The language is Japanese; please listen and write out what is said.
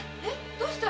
どうしたの？